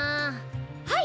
はい！